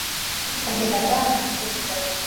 hifadhi ya ruaha ni kubwa sana